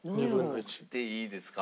でいいですか？